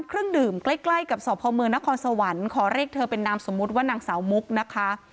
เครื่องดื่มใกล้ใกล้กับสพเมืองนครสวรรค์ขอเรียกเธอเป็นนามสมมุติว่านางสาวมุกนะคะ